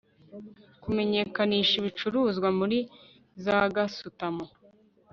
kumenyekanisha ibicuruzwa muri za gasutamo